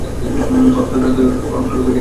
অত্যন্ত সত্য হয়ে উঠল অন্তরলোক, যেখানে মিলন ঘটে।